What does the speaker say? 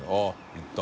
△行った。